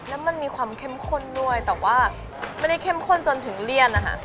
แล้วมันมีความเข้มข้นด้วยแต่ว่าไม่ได้เข้มข้นจนถึงเลี่ยนนะคะ